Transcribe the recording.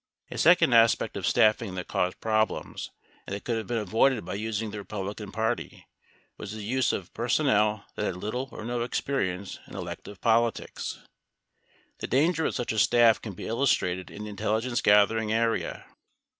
A second aspect of staffing that caused problems and that could have been avoided by using the Bepublican Party, was the use of personnel that had little or no experience in elective politics. The dan ger with such a staff can be illustrated in the intelligence gathering area.